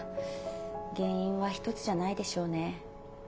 原因は１つじゃないでしょうね。